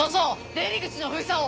出入り口の封鎖を。